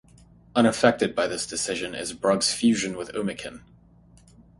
Unaffected by this decision is Brugg's fusion with Umiken.